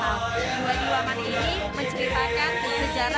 dua ilaman ini menceritakan sejarah ketiga